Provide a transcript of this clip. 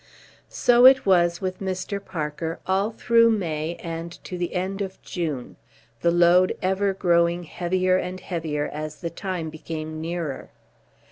So it was with Mr. Parker all through May and to the end of June, the load ever growing heavier and heavier as the time became nearer.